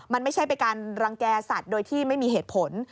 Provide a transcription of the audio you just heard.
มันไม่ใช่เป็นการรังแก่สัตว์โดยที่ไม่มีเหตุผล